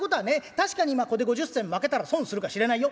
確かに今ここで５０銭まけたら損するかしれないよ。